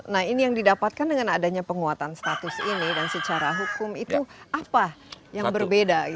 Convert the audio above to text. nah ini yang didapatkan dengan adanya penguatan status ini dan secara hukum itu apa yang berbeda